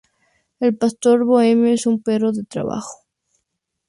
El pastor bohemio es un perro de trabajo.